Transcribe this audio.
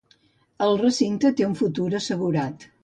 El recinte té el futur assegurat.